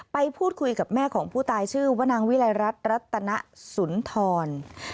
ไปพูดคุยกับแม่ของผู้ตายชื่อว่านางวิลัยรัฐรัตนสุนทร